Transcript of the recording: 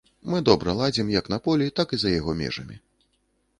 Мы добра ладзім як на полі, так і за яго межамі.